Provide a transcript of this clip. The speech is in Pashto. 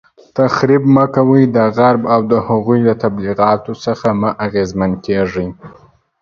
تخریب مه کوئ، د غرب او د هغوی د تبلیغاتو څخه مه اغیزمن کیږئ